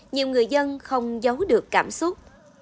nhiều người dân không giấu được cảm xúc